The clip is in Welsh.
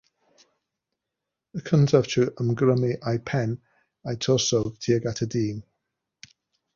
Y cyntaf yw trwy ymgrymu eu pen a'u torso tuag at y dyn.